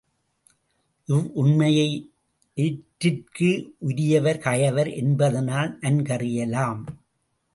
இவ்வுண்மையை எற்றிற்கு உரியர் கயவர்? என்பதனால் நன்கறியலாம்.